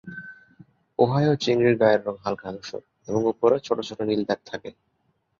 Ohio চিংড়ির গায়ের রং হালকা ধূসর এবং ওপরে ছোট ছোট নীল দাগ থাকে।